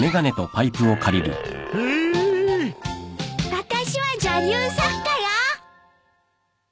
あたしは女流作家よ！